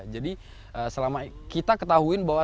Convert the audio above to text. jadi selama kita ketahuin bahwa